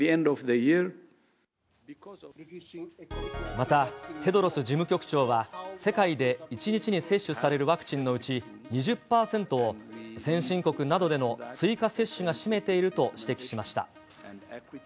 また、テドロス事務局長は、世界で１日に接種されるワクチンのうち２０％を、先進国などでの追加接種が占めていると指摘しました。